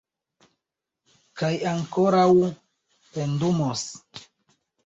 Kaj ankoraŭ pendumos.